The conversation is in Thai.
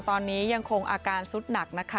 ตอนนี้ยังคงอาการสุดหนักนะคะ